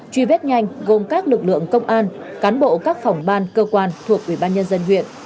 truy vết nhanh gồm các lực lượng công an cán bộ các phòng ban cơ quan thuộc ubnd huyện